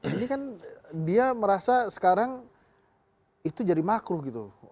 ini kan dia merasa sekarang itu jadi makruh gitu